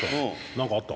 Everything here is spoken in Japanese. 何かあった？